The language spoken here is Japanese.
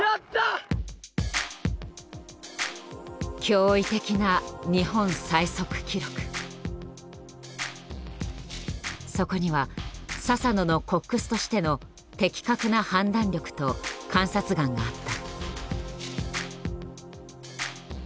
驚異的なそこには佐々野のコックスとしての的確な判断力と観察眼があった。